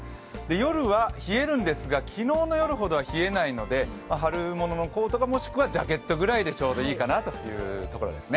夜は冷えるんですが昨日の夜ほどは冷えないので春物のコートか、もしくはジャケットぐらいでちょうどいいかなという感じです。